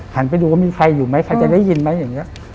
ไปดูว่ามีใครอยู่ไหมใครจะได้ยินไหมอย่างนี้